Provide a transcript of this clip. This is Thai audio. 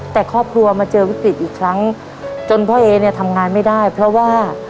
แต่ครอบครัวมาเจอวิกฤตอีกครั้งจนพ่อเอเนี่ยทำงานไม่ได้เพราะว่า